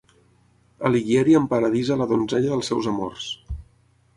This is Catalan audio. Alighieri emparadisa la donzella dels seus amors.